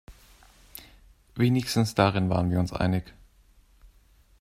Wenigstens darin waren wir uns einig.